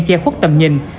che khuất tầm nhìn